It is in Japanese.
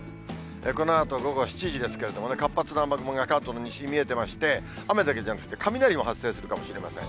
このあと午後５時ですけれどもね、活発な雨雲が関東の西に見えてまして、雨だけじゃなくて、雷も発生するかもしれません。